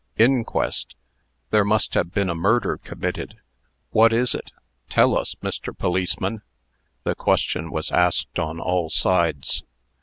"Inquest! There must have been a murder committed." "What is it?" "Tell us, Mr. Policeman." The question was asked on all sides.